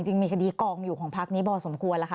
จริงมีคดีกองอยู่ของพักนี้พอสมควรแล้วค่ะ